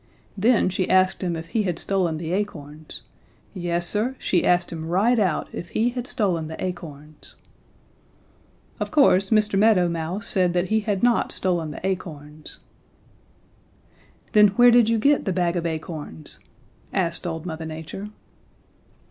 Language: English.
Then she asked him if he had stolen the acorns. Yes, Sir, she asked him right out if he had stolen the acorns. "Of course Mr. Meadow Mouse said that he had not stolen the acorns. "'Then where did you get the bag of acorns?' asked old Mother Nature.